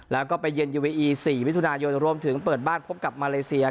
แล้วก็ไปเยือนยูเออี๔มิถุนายนรวมถึงเปิดบ้านพบกับมาเลเซีย